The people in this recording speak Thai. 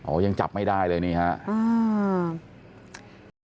ยังจับไม่ได้เลยนี่ครับ